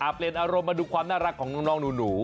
เปลี่ยนอารมณ์มาดูความน่ารักของน้องหนู